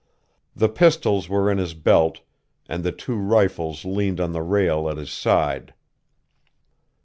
The pistols were in his belt, and the two rifles leaned on the rail at his side.